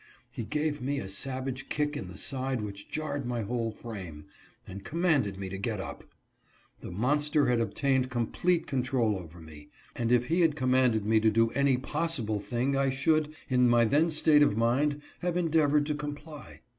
He gave me a savage kick in the side which jarred my whole frame, and commanded me to get up. The monster had obtained complete control over me, and if he had commanded me to do any possible thing I should, in my then state of mind, have endeav ored to comply.